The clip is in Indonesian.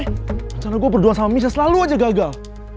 rencana gue berdua sama misa selalu aja gagal